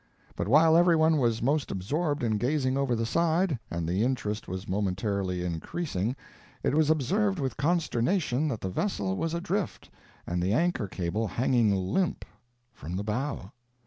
But while every one was most absorbed in gazing over the side, and the interest was momentarily increasing, it was observed with consternation that the vessel was adrift and the anchor cable hanging limp from the bow.